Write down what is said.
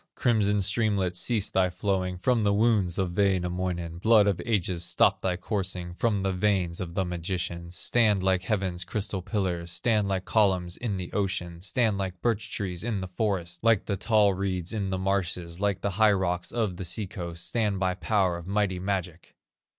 "Crimson streamlet, cease thy flowing From the wounds of Wainamoinen; Blood of ages, stop thy coursing From the veins of the magician; Stand like heaven's crystal pillars, Stand like columns in the ocean, Stand like birch trees in the forest, Like the tall reeds in the marshes, Like the high rocks on the sea coast, Stand by power of mighty magic!